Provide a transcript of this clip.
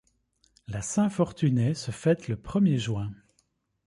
La Saint Fortuné se fête le premier juin.